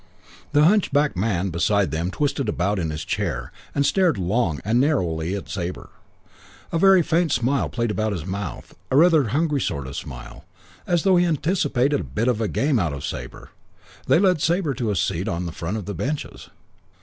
The hunchbacked man beside them twisted about in his chair and stared long and narrowly at Sabre, a very faint smile playing about his mouth; a rather hungry sort of smile, as though he anticipated a bit of a game out of Sabre. They led Sabre to a seat on the front of the benches.